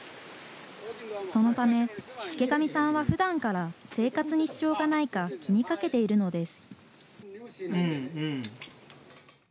そのため、池上さんはふだんから生活に支障がないか、気にかけているのです。